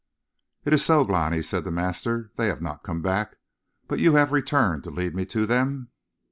"Is it so, Glani?" said the master. "They have not come back, but you have returned to lead me to them?